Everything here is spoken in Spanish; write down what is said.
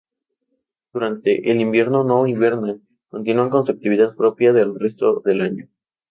Durante el invierno no hibernan, continúan con su actividad propia del resto del año.